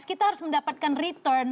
kita harus mendapatkan return